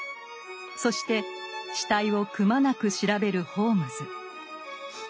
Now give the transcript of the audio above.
そして死体をくまなく調べるホームズ。